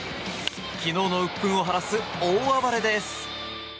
昨日のうっ憤を晴らす大暴れです。